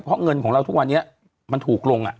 เพราะเงินของเราทุกวันนี้มันถูกลง